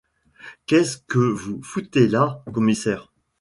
Qu’est-ce que vous foutez là, commissaire ?